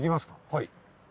はい。